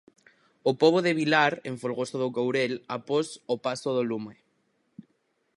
O pobo de Vilar, en Folgoso do Courel, após o paso do lume.